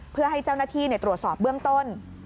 เพื่อให้เจ้าหน้าที่ตรวจสอบเบื้องต้น